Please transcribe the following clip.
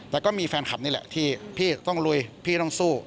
แต่ก็มีแฟนคลับนี่แหละที่พี่ต้องลุยพี่ต้องสู้